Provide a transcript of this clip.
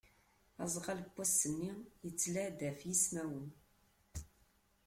Azɣal n wass-nni yettlaɛi-d ɣef yismawen.